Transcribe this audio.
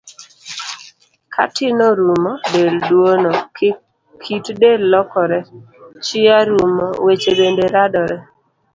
Ka tin orumo, del duono, kit del lokore, chia rumo, weche bende radore.